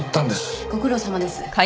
ご苦労さまです。